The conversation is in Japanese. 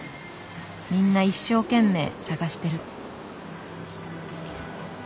みんな一生懸命探してる。